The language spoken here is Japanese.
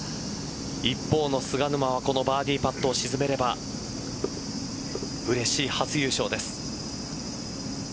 一方の菅沼はこのバーディーパットを沈めればうれしい初優勝です。